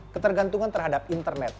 ketergantungan terhadap internet